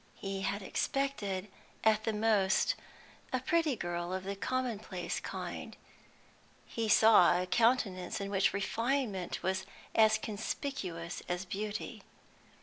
He had expected, at the most, a pretty girl of the commonplace kind: he saw a countenance in which refinement was as conspicuous as beauty.